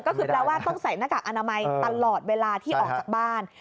ก็คือแปลว่าต้องใส่หน้ากากอนามัยตลอดเวลาที่ออกจากบ้าน